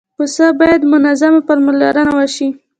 پسه باید منظمه پاملرنه وشي.